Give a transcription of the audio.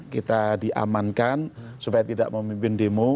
kita diamankan supaya tidak memimpin demo